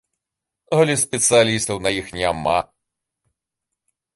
Але спецыялістаў на іх няма.